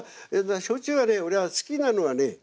焼酎はね俺は好きなのはね